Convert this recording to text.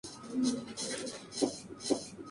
Se realiza anualmente sobre la primera quincena de marzo.